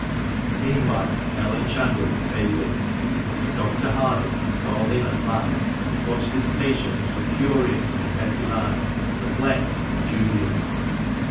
Meanwhile Ellen Chadwick faded. Dr. Hardie, called in at last, watched his patient with curious and attentive eye, perplexed and dubious.